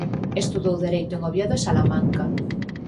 Estudou Dereito en Oviedo e Salamanca.